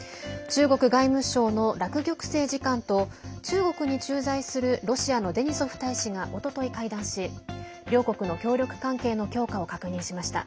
中国外務省の楽玉成次官と中国に駐在するロシアのデニソフ大使がおととい、会談し両国の協力関係の強化を確認しました。